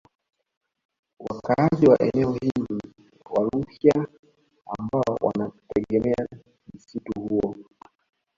Wakaazi wa eneo hili ni Waluhya ambao wanategemea msitu huu